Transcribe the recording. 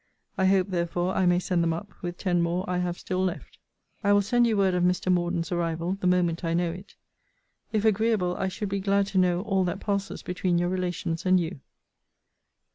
I hope, therefore, I may send them up, with ten more I have still left. I will send you word of Mr. Morden's arrival, the moment I know it. If agreeable, I should be glad to know all that passes between your relations and you.